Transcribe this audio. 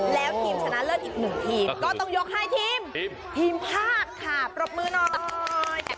แล้วทีมชนะเลิศอีกหนึ่งทีมก็ต้องยกให้ทีมทีมภาคค่ะปรบมือหน่อย